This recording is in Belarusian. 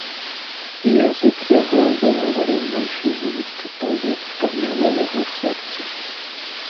І язык яго выгаварыў на ўсю вуліцу тое, што гняло яго сэрца.